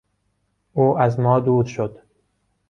او از ما دور شد.